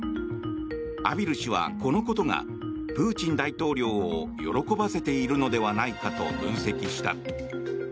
畔蒜氏は、このことがプーチン大統領を喜ばせているのではないかと分析した。